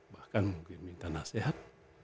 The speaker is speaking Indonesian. bahkan mungkin minta nasihat